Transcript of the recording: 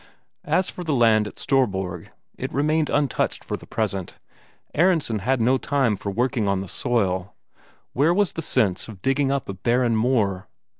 As for the land at Storborg, it remained untouched for the present. Aronsen had no time for working on the soil where was the sense of digging up a barren moor?